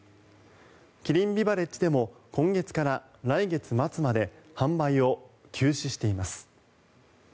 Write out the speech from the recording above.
キリンビバレッジでも今月から来月末まで販売を休止しています。